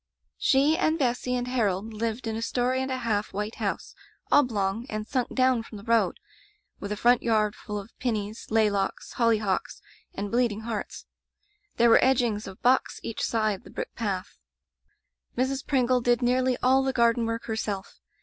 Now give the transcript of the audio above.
''She and Bessy and Harold lived in a story and a half white house, oblong, and sunk down from the road, with a front yard full of *pineys,' Maylocks,' hollyhocks, and bleeding hearts. There were edgings of box each side the brick path. ''Mrs. Pringle did nearly all the garden work herself.